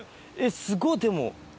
すごっ、でも。